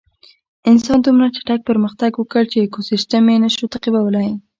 انسان دومره چټک پرمختګ وکړ چې ایکوسېسټم یې نهشوی تعقیبولی.